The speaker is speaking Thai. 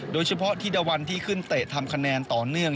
โดยเฉพาะที่ดาวันที่ขึ้นเตะทำคะแนนต่อเนื่อง